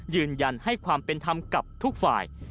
ยืนยันให้ความเป็นธรรมกับทุกฝ่าย